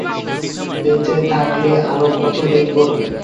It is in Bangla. বেঁচে থাকলে আরও কত দেখব!